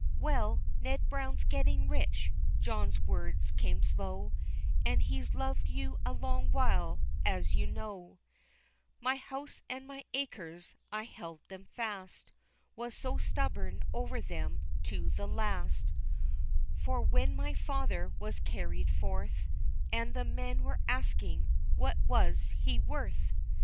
"Well, Ned Brown's getting rich," John's words came slow, "And, he's loved you a long while as you know; My house and my acres, I held them fast, Was so stubborn over them to the last, For when my father was carried forth, And the men were asking, 'what was he worth?